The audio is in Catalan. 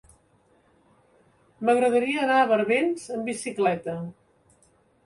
M'agradaria anar a Barbens amb bicicleta.